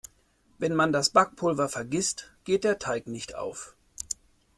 Wenn man das Backpulver vergisst, geht der Teig nicht auf.